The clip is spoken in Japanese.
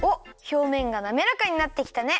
ひょうめんがなめらかになってきたね。